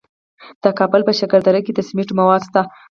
د کابل په شکردره کې د سمنټو مواد شته.